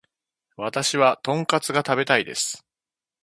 私はトンカツが食べたいです